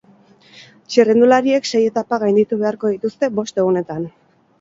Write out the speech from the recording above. Txirrindulariek sei etapa gainditu beharko dituzte bost egunetan.